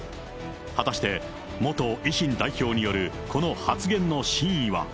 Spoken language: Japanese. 果たして、元維新代表によるこの発言の真意は。